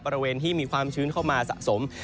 บริเวณที่มีความชื้นเข้ามาสะสม